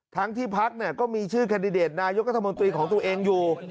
ทั้งที่พักก็มีชื่อแคนดิเดตนายกัธมนตรีของตัวเองอยู่